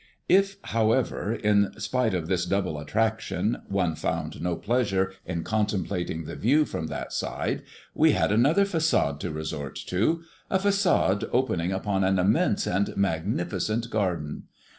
If, however, in spite of this double attraction one found no pleasure in contemplating the view from that side, we had another façade to resort to, a façade opening upon an immense and magnificent garden.